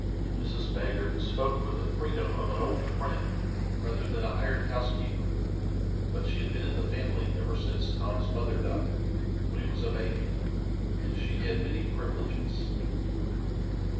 Mrs. Baggert spoke with the freedom of an old friend rather than a hired housekeeper, but she had been in the family ever since Tom's mother died, when he was a baby, and she had many privileges.